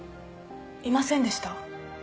いませんでした。